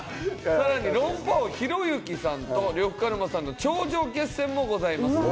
更に論破王ひろゆきさんと呂布カルマさんの頂上決戦もございます。